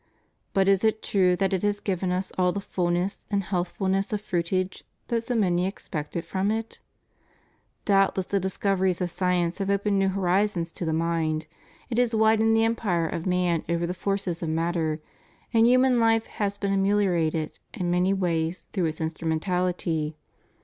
But is it true that it has given us all the fulness and health fulness of fruitage that so many expected from it? Doubt less the discoveries of science have opened new horizons to the mind; it has widened the empire of man over the forces of matter, and human life has been amehorated in many ways through its instrumentality.